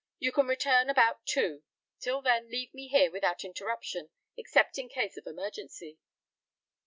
You can return about two. Till then leave me here without interruption, except in case of emergency."